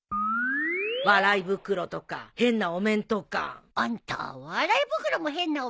笑い袋とか変なお面とか。あんた笑い袋も変なお面もくだらなくなんかないよ。